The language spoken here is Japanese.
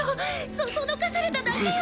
そそのかされただけよ